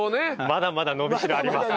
まだまだ伸びしろあります。